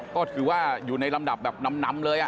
ก็ถือว่าอยู่ในลำดับแบบนำเลย